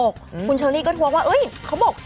คุณเชอร์รี่ก็ทวะว่าเฮ้ยเขาบอก๔๙